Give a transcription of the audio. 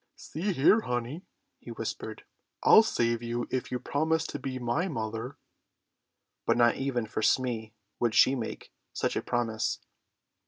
"See here, honey," he whispered, "I'll save you if you promise to be my mother." But not even for Smee would she make such a promise.